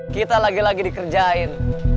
kita lagi lagi dikerjain